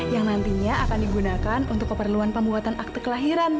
yang nantinya akan digunakan untuk keperluan pembuatan akte kelahiran